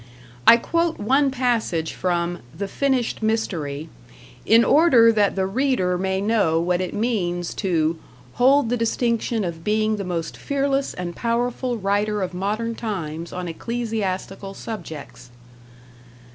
I quote one passage from "The Finished Mystery", in order that the reader may know what it means to "hold the distinction of being the most fearless and powerful writer of modern times on ecclesiastical subjects."